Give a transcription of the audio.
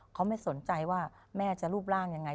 เขาไม่สนใจว่าแม่จะรูปร่างยังไง